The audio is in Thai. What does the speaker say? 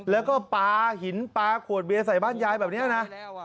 แล้วก็ปลาหินปลาขวดเบียร์ใส่บ้านยายแบบนี้นะ